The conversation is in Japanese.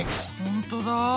ほんとだ。